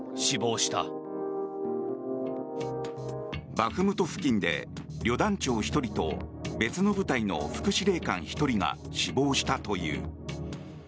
バフムト付近で旅団長１人と別の部隊の副司令官１人が死亡したという。